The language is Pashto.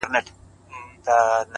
هره تجربه د فکر پراخوالی زیاتوي!